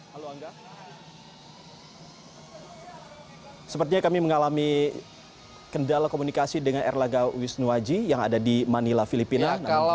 halo angga sepertinya kami mengalami kendala komunikasi dengan erlangga wisnuwaji yang ada di manila filipina